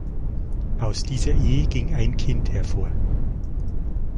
Aus dieser Ehe ging ein Kind hervor.